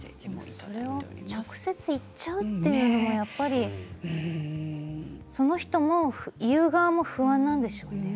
それを直接言っちゃうというのはやっぱりその人も言う側も不安なんでしょうね。